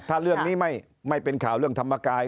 ถ้าเรื่องนี้ไม่เป็นข่าวเรื่องธรรมกาย